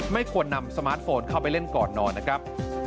ไม่ควรนำสมาร์ทโฟนเข้าไปเล่นก่อนนอนนะครับ